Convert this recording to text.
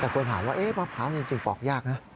แต่คนถามว่ามะพร้าวจริงปอกยากนะ